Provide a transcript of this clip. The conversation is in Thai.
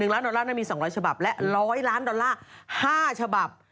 ล้านดอลลาร์มี๒๐๐ฉบับและ๑๐๐ล้านดอลลาร์๕ฉบับ